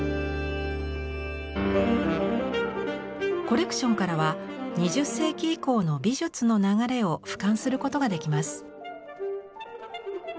コレクションからは２０世紀以降の美術の流れを俯瞰することができます。